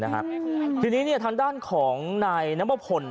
ทางด้านของนายแนะโยมพล